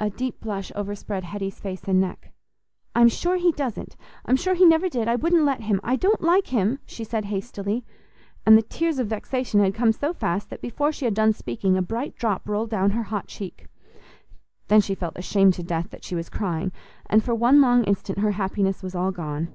A deep blush overspread Hetty's face and neck. "I'm sure he doesn't; I'm sure he never did; I wouldn't let him; I don't like him," she said hastily, and the tears of vexation had come so fast that before she had done speaking a bright drop rolled down her hot cheek. Then she felt ashamed to death that she was crying, and for one long instant her happiness was all gone.